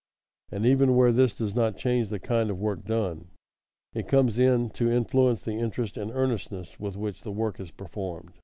And even where this does not change the kind of work done, it comes in to influence the interest and earnestness with which the work is performed.